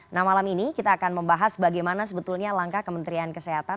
nah malam ini kita akan membahas bagaimana sebetulnya langkah kementerian kesehatan